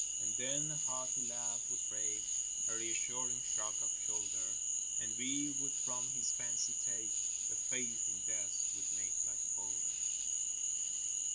And then a hearty laugh would break, A reassuring shrug of shoulder; And we would from his fancy take A faith in death which made life bolder.